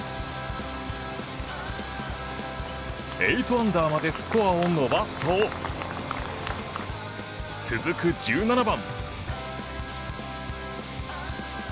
８アンダーまでスコアを伸ばすと続く１７番。